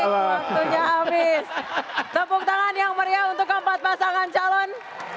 tepuk tangan yang meriah untuk empat pasangan calon